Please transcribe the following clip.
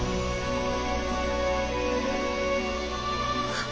あっ。